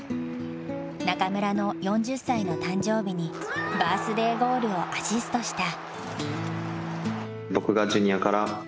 中村の４０歳の誕生日にバースデーゴールをアシストした。